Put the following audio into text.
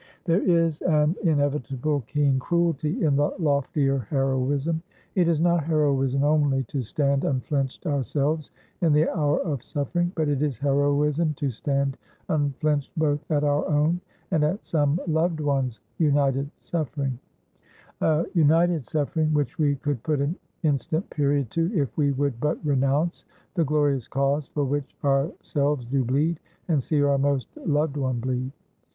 There is an inevitable keen cruelty in the loftier heroism. It is not heroism only to stand unflinched ourselves in the hour of suffering; but it is heroism to stand unflinched both at our own and at some loved one's united suffering; a united suffering, which we could put an instant period to, if we would but renounce the glorious cause for which ourselves do bleed, and see our most loved one bleed.